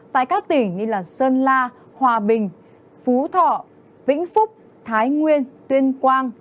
tại các tỉnh như sơn la hòa bình phú thọ vĩnh phúc thái nguyên tuyên quang